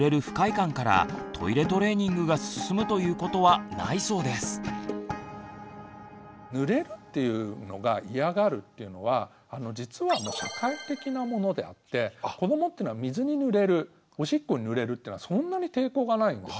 ちなみに子どもの場合ぬれるっていうのが嫌がるというのは実は社会的なものであって子どもっていうのは水にぬれるおしっこにぬれるっていうのはそんなに抵抗がないんです。